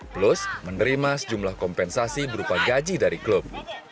plus menerima sejumlah kompensasi berupa gaji dari klub